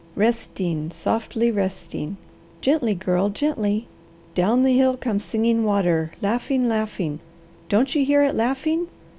Resting, softly resting! Gently, Girl, gently! Down the hill comes Singing Water, laughing, laughing! Don't you hear it laughing?